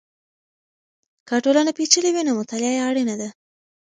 که ټولنه پېچلې وي نو مطالعه یې اړینه ده.